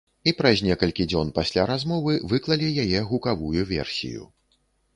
І праз некалькі дзён пасля размовы выклалі яе гукавую версію.